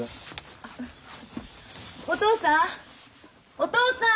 お父さん！